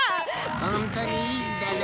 ホントにいいんだな？